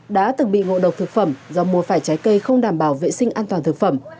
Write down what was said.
đã từng bị ngộ độc thực phẩm do mua phải trái cây không đảm bảo vệ sinh an toàn thực phẩm